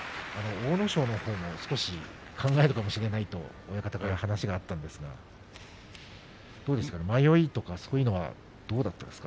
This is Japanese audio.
阿武咲も少し考えるかもしれないと親方から話がありましたがどうでしょう、迷いとかそういうのはどうだったですか。